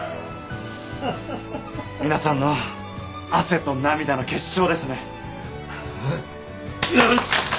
皆さんの汗と涙の結晶ですね。